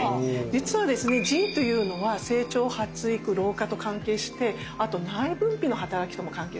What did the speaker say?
実はですね腎というのは成長発育老化と関係してあと内分泌の働きとも関係するんですよ。